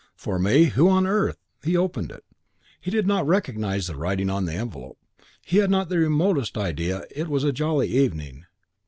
"For me? Who on earth ?" He opened it. He did not recognise the writing on the envelope. He had not the remotest idea It was a jolly evening....